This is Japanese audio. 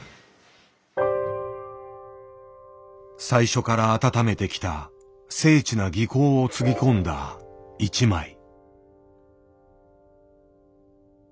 最初から温めてきた精緻な技巧をつぎ込んだ一枚。